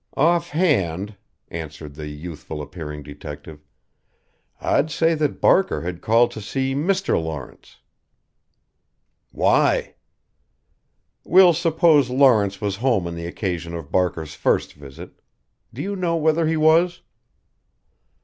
"Off hand," answered the youthful appearing detective, "I'd say that Barker had called to see Mr. Lawrence." "Why?" "We'll suppose Lawrence was home on the occasion of Barker's first visit do you know whether he was?"